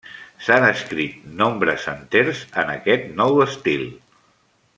S'han escrit nombres enters en aquest nou estil.